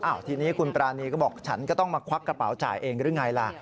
ทีนี้คุณปรานีก็บอกฉันก็ต้องมาควักกระเป๋าจ่ายเองหรือไงล่ะ